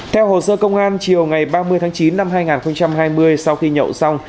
theo hồ sơ công an chiều ngày ba mươi tháng chín năm hai nghìn hai mươi sau khi nhậu xong